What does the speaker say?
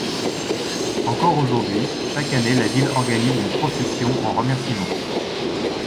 Encore aujourd'hui, chaque année la ville organise une procession en remerciement.